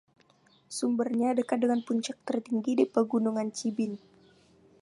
Sumbernya dekat dengan puncak tertinggi di Pegunungan Cibin.